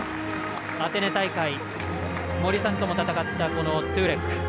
アテネ大会森さんとも戦ったトュレック。